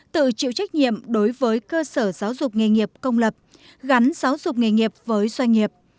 tự chịu trách nhiệm đối với cơ sở giáo dục nghề nghiệp công lập gắn giáo dục nghề nghiệp với doanh nghiệp